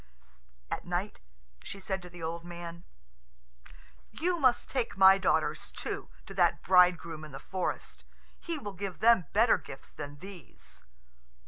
At night she said to the old man, "You must take my daughters, too, to that bridegroom in the forest. He will give them better gifts than these."